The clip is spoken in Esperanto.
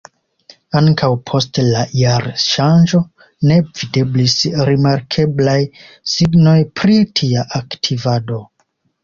Ankaŭ post la jarŝanĝo ne videblis rimarkeblaj signoj pri tia aktivado.